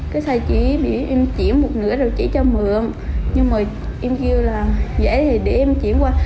cái xài chỉ em chỉ một nửa rồi chỉ cho mượm nhưng mà em kêu là dễ thì để em chỉ qua